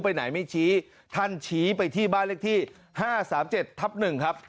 ไปไหนไม่ชี้ท่านชี้ไปที่บ้านเลขที่๕๓๗ทับ๑ครับ